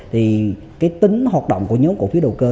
thì cái tính hoạt động của nhóm cổ phiếu đầu cơ